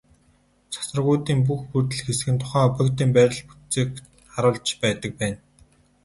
Цацрагуудын бүх бүрдэл хэсэг нь тухайн объектын байрлалын бүтцийг харуулж байдаг байна.